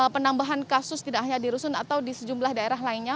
penambahan kasus tidak hanya di rusun atau di sejumlah daerah lainnya